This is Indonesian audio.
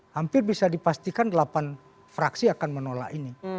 hampir bisa dipastikan delapan fraksi akan menolak ini